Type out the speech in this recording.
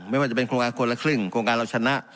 ไม่ว่าจะเป็นโครงการคนละครึ่งโครงการเราชนะ